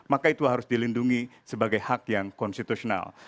maka itu harus dilindungi sebagai hak yang konstitusional